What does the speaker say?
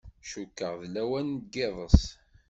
Cukkeɣ d lawan n yiḍes.